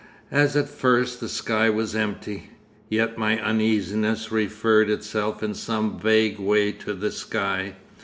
As at first the sky was empty. Yet my uneasiness referred itself in some vague way to the sky.